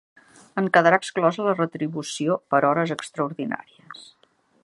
En quedarà exclosa la retribució per hores extraordinàries.